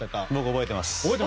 覚えてます。